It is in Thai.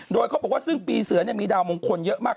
โดยเขาบอกว่าซึ่งปีเสือมีดาวมงคลเยอะมาก